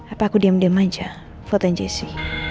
apa aku diam diam aja fotoin jessy